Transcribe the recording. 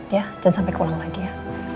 ya jangan sampe keulang lagi ya